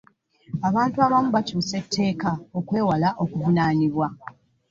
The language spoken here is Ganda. Abantu abamu bakyusa etteeka okwewala okuvunaanibwa.